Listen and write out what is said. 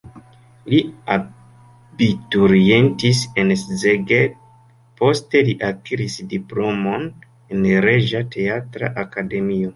Li abiturientis en Szeged, poste li akiris diplomon en Reĝa Teatra Akademio.